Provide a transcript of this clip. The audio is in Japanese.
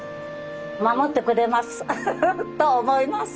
守ってくれますと思います。